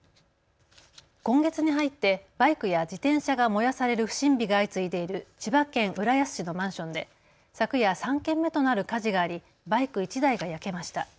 今月に入ってバイクや自転車が燃やされる不審火が相次いでいる千葉県浦安市のマンションで昨夜、３件目となる火事がありバイク１台が焼けました。